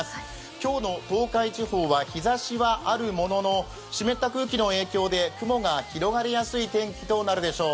今日の東海地方は日ざしはあるものの湿った空気の影響で雲が広がりやすい天気となるでしょう。